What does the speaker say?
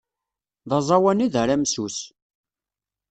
D aẓawan i d aramsu-s.